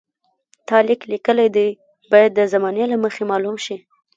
تا لیک لیکلی دی باید د زمانې له مخې معلوم شي.